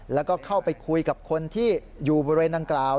แล้วก็เข้าไปคุยกับคนที่อยู่บริเวณดังกล่าว